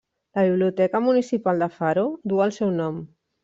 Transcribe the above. La Biblioteca Municipal de Faro duu el seu nom.